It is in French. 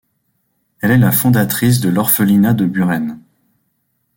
Elle est la fondatrice de l'orphelinat de Buren.